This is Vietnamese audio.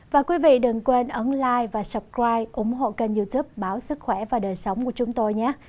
và quý vị đừng quên ấn like và subscribe ủng hộ kênh youtube báo sức khỏe và đời sống của chúng tôi nhé